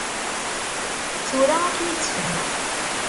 Tura ad kem-id-sfehmeɣ.